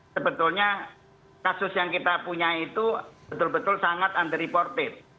sebetulnya kasus yang kita punya itu betul betul sangat untreported